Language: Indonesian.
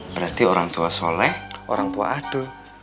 berarti orang tua soleh orang tua adu